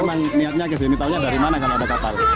memang niatnya kesini tahunya dari mana kalau ada kapal